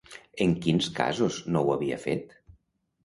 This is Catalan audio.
En quins casos no ho havia fet?